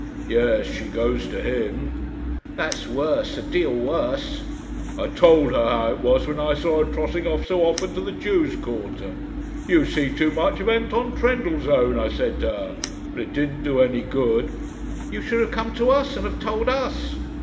"Yes; she goes to him." "That's worse a deal worse." "I told her how it was when I saw her trotting off so often to the Jews' quarter. 'You see too much of Anton Trendellsohn,' I said to her; but it didn't do any good." "You should have come to us, and have told us."